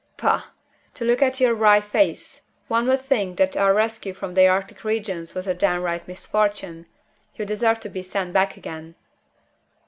"Pooh! To look at your wry face, one would think that our rescue from the Arctic regions was a downright misfortune. You deserve to be sent back again."